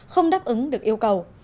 không đáp ứng được yêu cầu